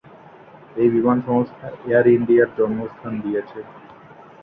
এই বিমান সংস্থা এয়ার ইন্ডিয়া র জন্মস্থান দিয়েছে।